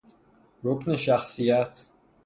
رکن شخصیت